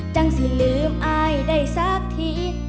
จังศิลึมไอได้สักที